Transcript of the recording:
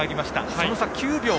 その差は９秒。